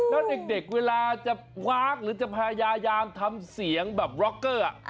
แล้วเด็กเวลาจะวากหรือจะพยายามทำเสียงแบบบล็อกเกอร์